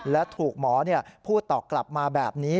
และถูกหมอพูดตอบกลับมาแบบนี้